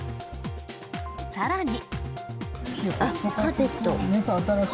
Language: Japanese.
さらに。